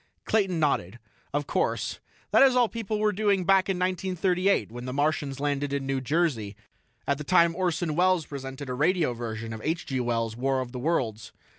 Clayton nodded. "Of course. That is all people were doing back in 1938 when the Martians landed in New Jersey, at the time Orson Welles presented a radio version of H. G. Wells' 'War of the Worlds'.